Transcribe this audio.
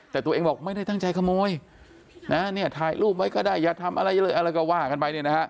แต่ตัวเองบอกไม่ได้ตั้งใจขโมยนะเนี่ยถ่ายรูปไว้ก็ได้อย่าทำอะไรเลยอะไรก็ว่ากันไปเนี่ยนะฮะ